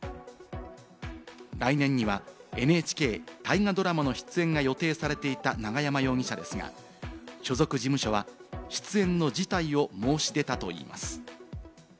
来年にはＮＨＫ・大河ドラマの出演が予定されていた永山容疑者ですが、所属事務所は出演の辞退を申し出たといいます。